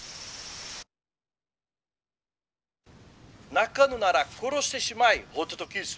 「鳴かぬなら殺してしまえホトトギス。